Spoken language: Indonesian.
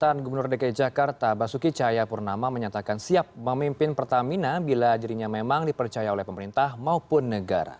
pernyataan gubernur dki jakarta basuki cahayapurnama menyatakan siap memimpin pertamina bila dirinya memang dipercaya oleh pemerintah maupun negara